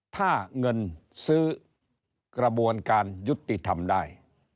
ถ้าเงินซื้อกระบวนการยุติธรรมได้